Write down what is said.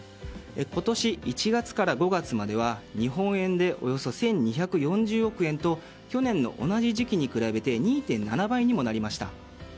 今年１月から５月までは日本円でおよそ１２４０億円と去年の同じ時期に比べて２．７倍にもなりました。